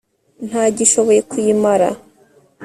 ntagishoboye kuyimara